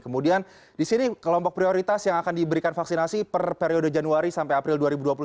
kemudian di sini kelompok prioritas yang akan diberikan vaksinasi per periode januari sampai april dua ribu dua puluh satu